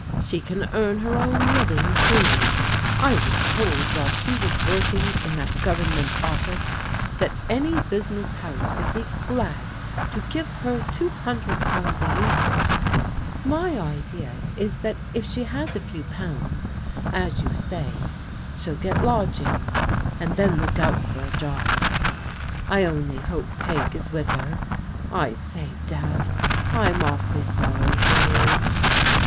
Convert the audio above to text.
She can earn her own living, too. I was told while she was working in that 142 THE SEAECH FOR THE RUNAWAYS 143 Government oflEice that any business house would be glad to give her two hundred pounds a year. My idea is that if she has a few pounds, as you say, she'll get lodgings, and then look out for a job, I only hope Peg is with her. I say. Dad, I'm awfully sorry for you."